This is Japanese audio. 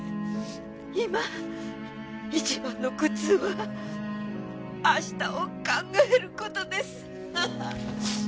「今一番の苦痛は明日を考える事です」